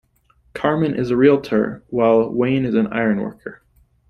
Carmen is a realtor while Wayne is an ironworker.